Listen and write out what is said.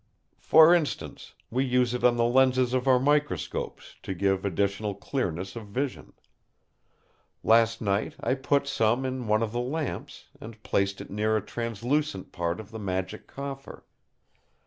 For instance, we use it on the lenses of our microscopes to give additional clearness of vision. Last night I put some in one of the lamps, and placed it near a translucent part of the Magic Coffer.